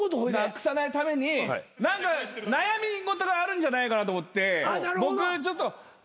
なくさないために何か悩み事があるんじゃないかなと思って僕ちょっと悩み解決。